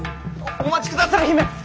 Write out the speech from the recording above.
お待ちくだされ姫！